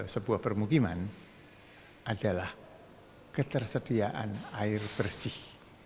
sebuah permukiman adalah ketersediaan air bersih